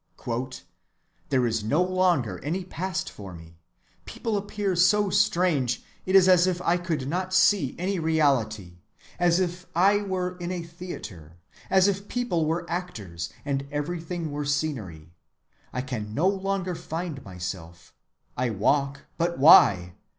—"There is no longer any past for me; people appear so strange; it is as if I could not see any reality, as if I were in a theatre; as if people were actors, and everything were scenery; I can no longer find myself; I walk, but why?